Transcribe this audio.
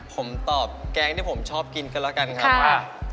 ผมตอบแกงที่ผมชอบกินกันแล้วกันครับว่า